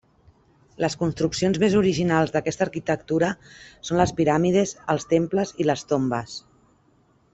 Les construccions més originals d'aquesta arquitectura són les piràmides, els temples i les tombes.